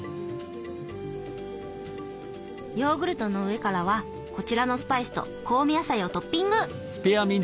ヨーグルトの上からはこちらのスパイスと香味野菜をトッピング！